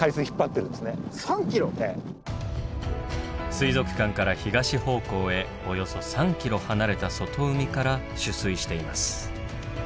水族館から東方向へおよそ３ｋｍ離れた外海から取水しています。